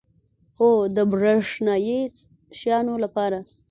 هو، د بریښنایی شیانو لپاره